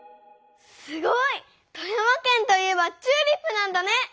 すごい！富山県といえばチューリップなんだね！